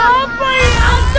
apa ya aduh